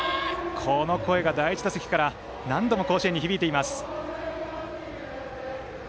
この声が第１打席から何度も甲子園に響いています。